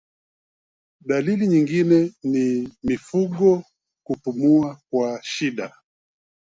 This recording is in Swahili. Dalili nyingine ni mifugo kupumua kwa shida